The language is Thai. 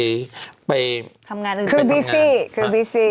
ทำงานอื่นทำงานอื่นคือบี้ซี่คือบี้ซี่